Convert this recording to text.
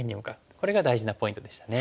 これが大事なポイントでしたね。